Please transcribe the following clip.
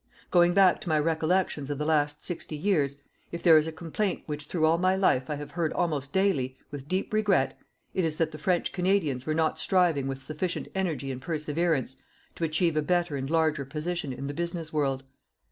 Going back to my recollections of the last sixty years, if there is a complaint which through all my life I have heard almost daily, with deep regret, it is that the French Canadians were not striving with sufficient energy and perseverance to achieve a better and larger position in the business world.